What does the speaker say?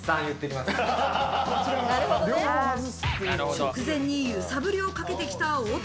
直前に揺さぶりをかけてきた大谷。